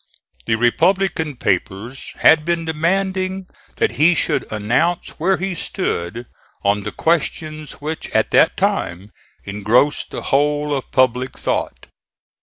The Republican papers had been demanding that he should announce where he stood on the questions which at that time engrossed the whole of public thought.